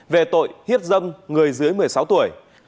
về tội hiếp dâm người dưới một mươi sáu tuổi